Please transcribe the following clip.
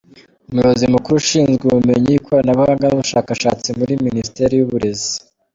Umuyobozi Mukuru ushinzwe Ubumenyi, Ikoranabuhanga n’Ubushakashatsi muri Minisiteri y’Uburezi, Dr.